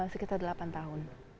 sekitar delapan tahun